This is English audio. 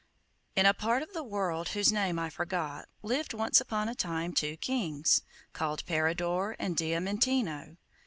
In a part of the world whose name I forget lived once upon a time two kings, called Peridor and Diamantino.